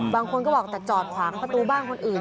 บางคนก็บอกแต่จอดขวางประตูบ้านคนอื่น